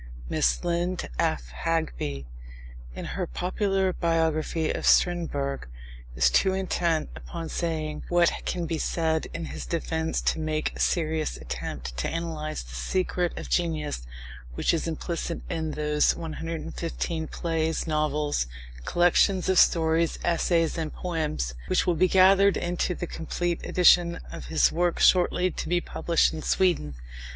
Miss Lind af Hageby, in her popular biography of Strindberg, is too intent upon saying what can be said in his defence to make a serious attempt to analyse the secret of genius which is implicit in those "115 plays, novels, collections of stories, essays, and poems" which will be gathered into the complete edition of his works shortly to be published in Sweden.